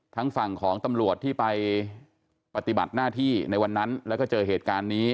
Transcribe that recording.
ทั้งฝั่งของตำรวจที่ไปปฏิบัติหน้าที่ในวันนั้นแล้วก็เจอเหตุการณ์นี้